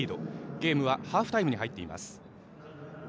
ゲームはハーフタイムに入っています。